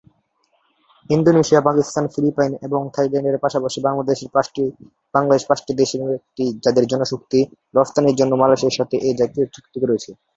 Indonesia, Pakistan, Philippines এবং থাইল্যান্ডের পাশাপাশি বাংলাদেশ পাঁচটি দেশের একটি, যাদের জনশক্তি রফতানির জন্য মালয়েশিয়ার সাথে এ জাতীয় চুক্তি রয়েছে।